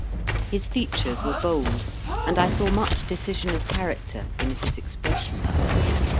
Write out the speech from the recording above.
His features were bold, and I saw much decision of character in his expression.